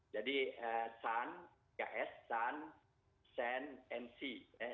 jadi sun ks sun sand and sea